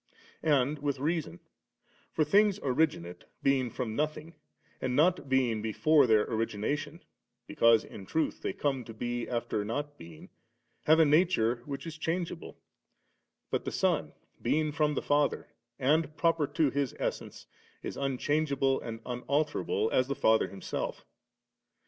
* And with reason ; for things originate, being from nothing^, and not being before their origination, because, in truth, they come to be after not being, have a nature which is changeable; but the Son, being from the Father, and proper to His essence, is un changeable and unalterable as the Father Himself.